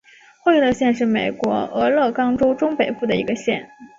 惠勒县是美国俄勒冈州中北部的一个县。